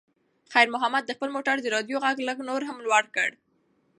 خیر محمد د خپل موټر د راډیو غږ لږ نور هم لوړ کړ.